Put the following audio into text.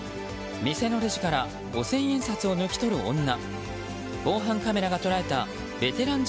店のレジから五千円札を抜き取る女。